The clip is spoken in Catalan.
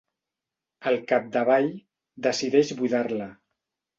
Al capdavall, decideix buidar-la.